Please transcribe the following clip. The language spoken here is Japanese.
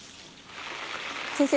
先生